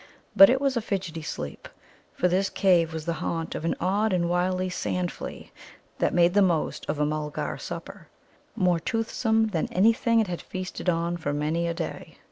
But it was a fidgety sleep, for this cave was the haunt of an odd and wily sand flea that made the most of a Mulgar supper, more toothsome than anything it had feasted on for many a day.